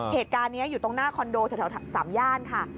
เหตุการณ์นี้อยู่ตรงหน้าคอนโดแถว๓ย่านค่ะ